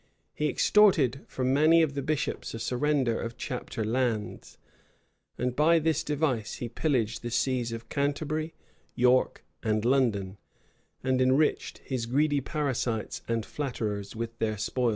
He extorted from many of the bishops a surrender of chapter lands; and by this device he pillaged the sees of Canterbury, York, and London, and enriched his greedy parasites and flatterers with their spoils.